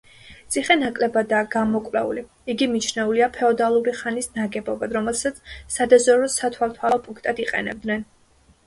ციხე ნაკლებადაა გამოკვლეული, იგი მიჩნეულია ფეოდალური ხანის ნაგებობად, რომელსაც სადაზვერვო –სათვალთვალო პუნქტად იყენებდნენ.